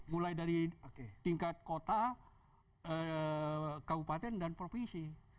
mulai dari tingkat kota kabupaten dan provinsi